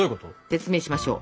説明しましょう。